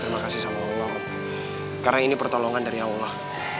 terima kasih sama allah karena ini pertolongan dari allah